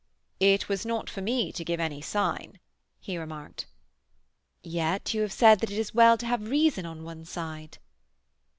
"It was not for me to give any sign," he remarked. "Yet you have said that it is well to have reason on one's side."